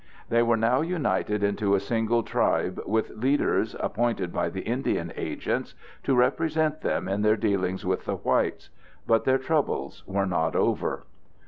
They were now united into a single tribe with leaders, appointed by the Indian agents, to represent them in their dealings with the whites. But their troubles were not over.